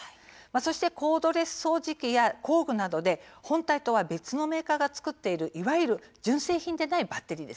そしてコードレス掃除機や工具などで本体とは別のメーカーが作っている、いわゆる純正品でないバッテリー。